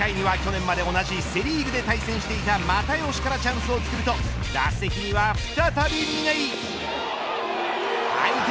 ８回には去年まで同じセ・リーグで対戦していた又吉からチャンスをつくると打席には再び嶺井。